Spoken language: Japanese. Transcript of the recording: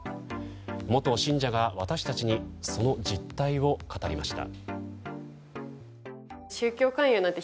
元信者が私たちにその実態を語りました。